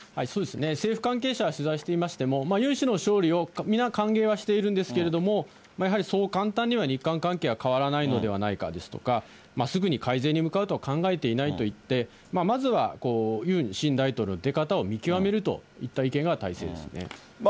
政府関係者、しゅざいしていましてもユン氏の勝利を皆、歓迎はしているんですけれども、やはりそう簡単には日韓関係は変わらないのではないかですとか、すぐに改善に向かうとは考えていないといって、まずはユン新大統領の出方を見極めるといった意見が大勢ですね。